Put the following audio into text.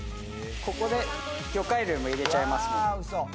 ここで魚介類も入れちゃいます。